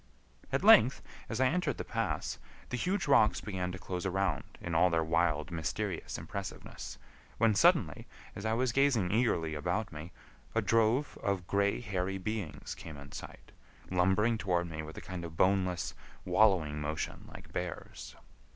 At length, as I entered the pass, the huge rocks began to close around in all their wild, mysterious impressiveness, when suddenly, as I was gazing eagerly about me, a drove of gray hairy beings came in sight, lumbering toward me with a kind of boneless, wallowing motion like bears.